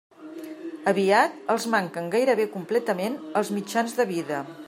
Aviat els manquen gairebé completament els mitjans de vida.